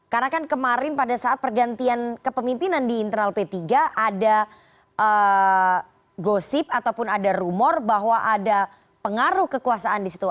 karena kan kemarin pada saat pergantian kepemimpinan di internal p tiga ada gosip ataupun ada rumor bahwa ada pengaruh kekuasaan di situ